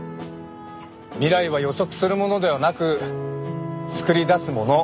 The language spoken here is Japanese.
「未来は予測するものではなく作り出すもの」。